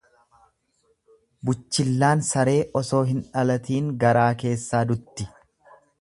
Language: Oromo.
Buchillaan saree osoo hin dhalatiin garaa keessaa dutti.